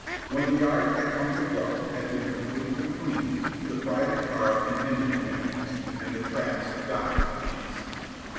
When the yards at Council Bluffs had been completely cleaned, the private car and engine went east, and the tracks died for keeps.